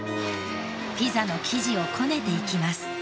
ピザの生地をこねていきます。